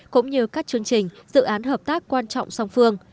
cũng như các chương trình dự án hợp tác quan trọng song phương